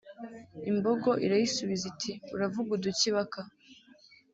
Imbogo irayisubiza iti “Uravuga uduki Baka